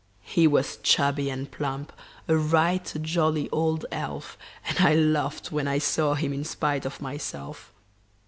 He was chubby and plump a right jolly old elf And I laughed when I saw him, in spite of myself.